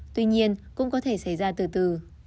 tuy nhiên cũng có thể xảy ra từ từ